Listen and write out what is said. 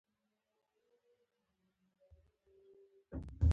په نولس سوه یو اتیا کال کې د انقلاب غړو یو فارم لرونکی وتښتاوه.